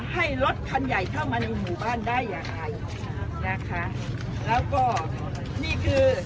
ให้รถคันใหญ่เข้ามาในหมู่บ้านได้อย่างไรนะคะแล้วก็นี่คือ